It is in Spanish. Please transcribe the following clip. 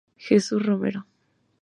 Jesús Romero.